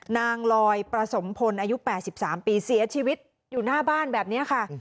นางลอยประสมพลอายุ๘๓ปีเสียชีวิตอยู่หน้าบ้านแบบนี้ค่ะ